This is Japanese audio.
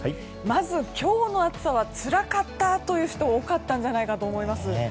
まず今日の暑さはつらかったという人多かったんじゃないかと思います。